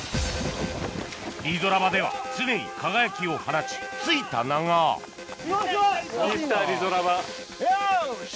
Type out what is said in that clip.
リゾラバでは常に輝きを放ち付いた名がよし！